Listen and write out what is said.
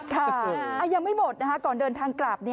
ค่ะยังไม่หมดนะคะก่อนเดินทางกลับ